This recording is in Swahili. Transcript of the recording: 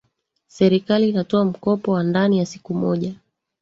serikali inatoa mkopo wa ndani ya siku moja